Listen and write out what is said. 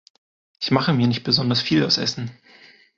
Ich mache mir nicht besonders viel aus Essen.